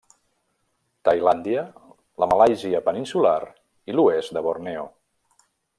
Tailàndia, la Malàisia peninsular i l'oest de Borneo.